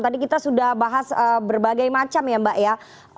tadi kita sudah bahas berbagai macam ya mbak ya